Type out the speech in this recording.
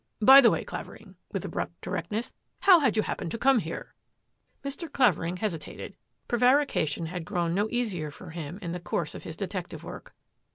By the way, Clavering," with abrupt directness, " how did you happen to come here? " Mr. Clavering hesitated. Prevarication had grown no easier for him in the course of his detec tive work.